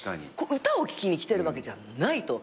歌を聴きに来てるわけじゃないと。